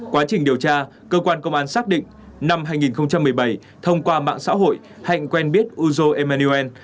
quá trình điều tra cơ quan công an xác định năm hai nghìn một mươi bảy thông qua mạng xã hội hạnh quen biết uzo emaniel